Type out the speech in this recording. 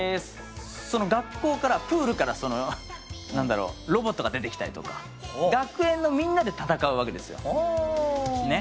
プールからロボットが出てきたりとか学園のみんなで戦うわけですよ。